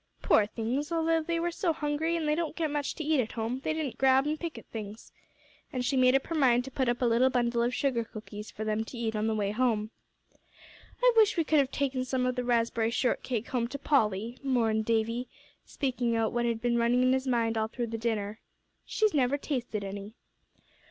"Poor things, although they were so hungry, an' they don't get much to eat at home, they didn't grab an' pick at things." And she made up her mind to put up a little bundle of her sugar cookies for them to eat on the way back. "I wish we could have taken some of the raspberry shortcake home to Polly," mourned Davie, speaking out what had been running in his mind all through the dinner. "She's never tasted any."